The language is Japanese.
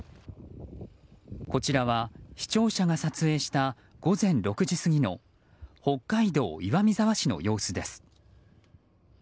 こちらは、視聴者が撮影した午前６時過ぎの北海道岩見沢市の様子です。